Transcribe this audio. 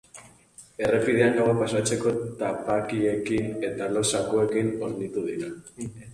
Errepidean gaua pasatzeko tapakiekin eta lo-zakuekin hornitu dira.